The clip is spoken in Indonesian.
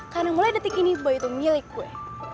karena mulai detik ini boy itu milik gue